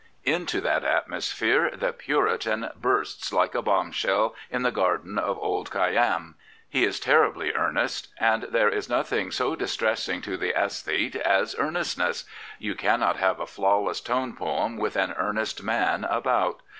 Into that atmosphere the Puritan bursts like a bombshell in the garden of old Khayyim. He is terribly in earnest, and there is nothing so distressing to the aesthete as earnestness. You cannot have a flawless tone poem with an earnest man about.